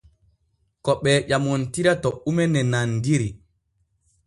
Ko ɓee ƴamontira to ume ne nandiri.